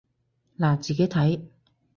嗱，自己睇